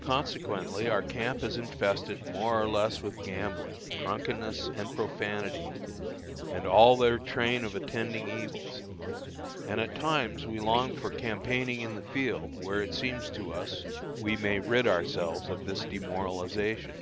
Consequently our camp is infested more or less with gambling, drunkenness, and profanity, and all their train of attending evils, and at times we long for campaigning in the field, where it seems to us we may rid ourselves of this demoralization.